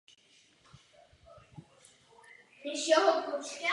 Našel jsem tu docela nový pohled na život a na člověka.